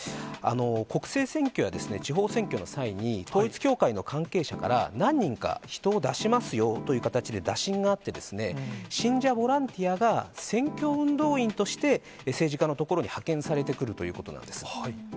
国政選挙や地方選挙の際に、統一教会の関係者から、何人か人を出しますよという形で打診があって、信者ボランティアが選挙運動員として政治家のところに派遣されてくるということなんです。